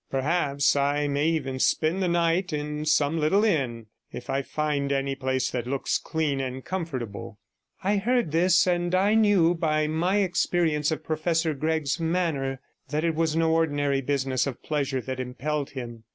Perhaps I may even spend the night in some little inn, if I find any place that looks clean and comfortable.' I heard this, and knew by my experience of Professor Gregg's manner that it was no ordinary business of pleasure that impelled him.